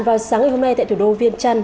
vào sáng ngày hôm nay tại thủ đô viên trăn